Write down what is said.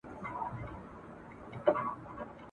له هغه وخته چي ما پېژندی !.